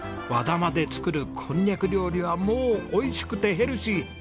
和玉で作るこんにゃく料理はもう美味しくてヘルシー！